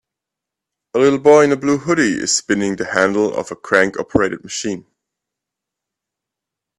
A little boy in a blue hoodie is spinning the handle of a crank operated machine